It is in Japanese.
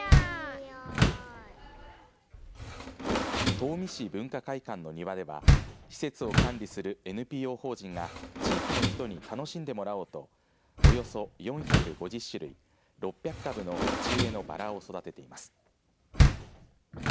東御市文化会館の庭では施設を管理するＮＰＯ法人が地域の人に楽しんでもらおうとおよそ４５０種類６００株の鉢植えのばらを育てています。